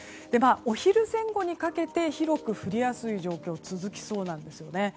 お昼前後にかけて広く降りやすい状況続きそうなんですよね。